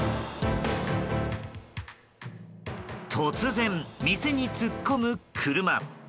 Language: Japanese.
突然、店に突っ込む車。